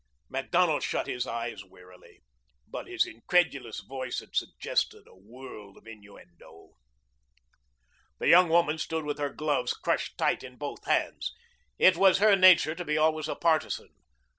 Macdonald shut his eyes wearily, but his incredulous voice had suggested a world of innuendo. The young woman stood with her gloves crushed tight in both hands. It was her nature to be always a partisan.